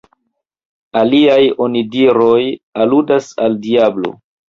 Aliaj onidiroj aludas al diablo.